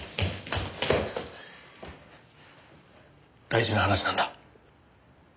大事な話なんだ。